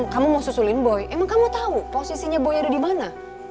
kamu mau susulin boy emang kamu tahu posisinya boy ada di mana